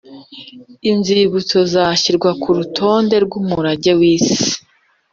inzibutso zashyirwa ku rutonde rw umurage w’isi